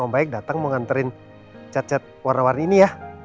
om baik datang mau nganterin cat cat warna warni ini ya